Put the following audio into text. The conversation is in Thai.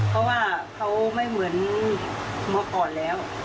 เพราะว่าเขาไม่เหมือนเมื่อก่อนแล้ว